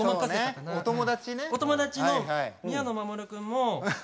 お友達の宮野真守くんも。